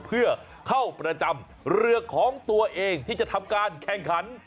เพื่อเข้าประจำเรือของตัวเองที่จะทำการแข่งขัน